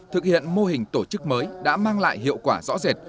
thực hiện mô hình tổ chức mới đã mang lại hiệu quả rõ rệt